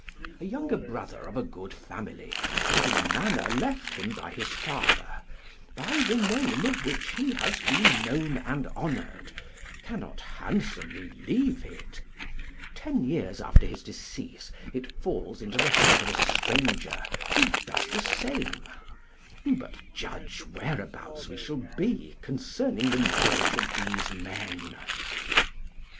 A younger brother of a good family, having a manor left him by his father, by the name of which he has been known and honoured, cannot handsomely leave it; ten years after his decease it falls into the hand of a stranger, who does the same: do but judge whereabouts we shall be concerning the knowledge of these men.